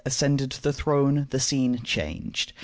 ascended the throne the scene changed.